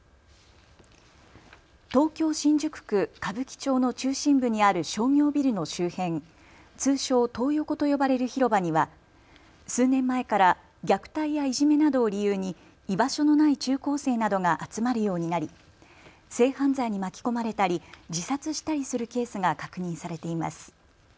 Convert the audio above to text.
東京新宿区歌舞伎町の中心部にある商業ビルの周辺、通称、トー横と呼ばれる広場には数年前から虐待やいじめなどを理由に居場所のない中高生などが集まるようになり性犯罪に巻き込まれたり自殺したりするケースが確認されています。